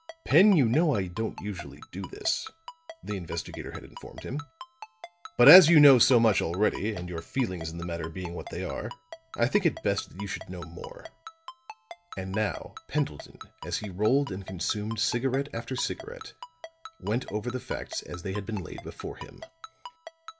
"Pen, you know I don't usually do this," the investigator had informed him. "But as you know so much already, and your feelings in the matter being what they are, I think it best that you should know more." And now Pendleton, as he rolled and consumed cigarette after cigarette, went over the facts as they had been laid before him.